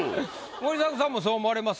森迫さんもそう思われますか？